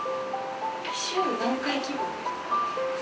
週何回希望ですか？